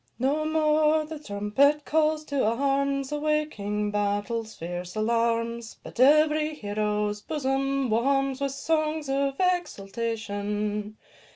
No more the trumpet calls to arms, Awaking battle's fierce alarms, But every hero's bosom warms With songs of exultation.